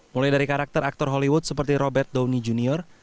mulai dari karakter aktor hollywood seperti robert downey jr